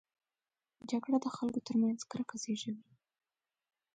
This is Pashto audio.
جګړه د خلکو ترمنځ کرکه زېږوي